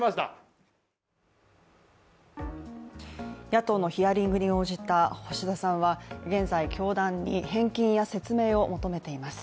野党のヒアリングに応じた橋田さんは現在、教団に返金や説明を求めています。